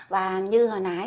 và như hồi nãy